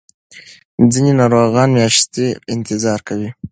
ځینې ناروغان میاشتې انتظار کوي.